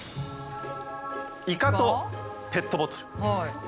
イカとペットボトル。